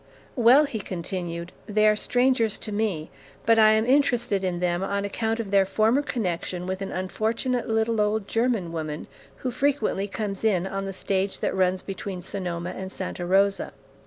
'Well,' he continued, 'they are strangers to me; but I am interested in them on account of their former connection with an unfortunate little old German woman who frequently comes in on the stage that runs between Sonoma and Santa Rosa.